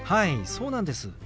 そうなんです。